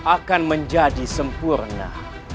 akan menjadi sempurna